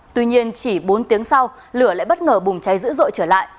tuy nhiên chỉ bốn tiếng sau lửa lại bất ngờ bùng cháy dữ dội trở lại